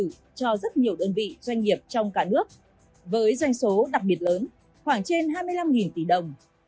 hóa giá trị gia tăng điện tử cho rất nhiều đơn vị doanh nghiệp trong cả nước với doanh số đặc biệt lớn khoảng trên hai mươi năm tỷ đồng